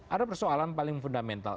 ada persoalan paling fundamental